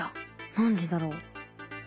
何でだろう？